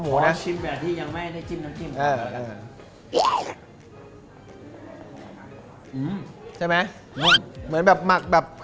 ดูให้สปรีมอ่ะค่ะ